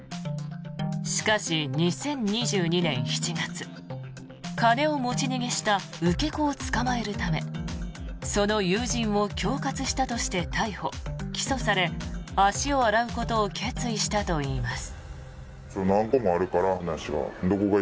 しかし、２０２２年７月金を持ち逃げした受け子を捕まえるためその友人を恐喝したとして逮捕・起訴され足を洗うことを決意したといいます。